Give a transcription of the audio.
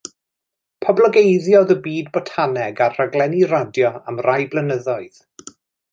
Poblogeiddiodd y byd botaneg ar raglenni radio am rai blynyddoedd.